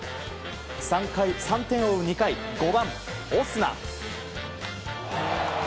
３回、３点を追う２回５番、オスナ。